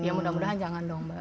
ya mudah mudahan jangan dong mbak